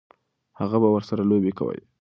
هغه به ورسره لوبې کولې.